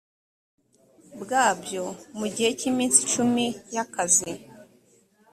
bwabyo mu gihe cy iminsi cumi y akazi